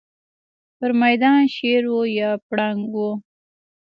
پر مېدان شېر و یا پلنګ و.